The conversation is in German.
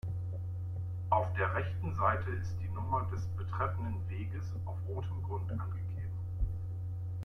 Auf der rechten Seite ist die Nummer des betreffenden Weges auf rotem Grund angegeben.